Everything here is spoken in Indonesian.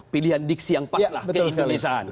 pilihan diksi yang pas lah ke indonesia